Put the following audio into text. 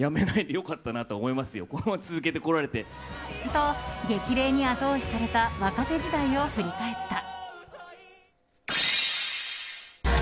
と、激励に後押しされた若手時代を振り返った。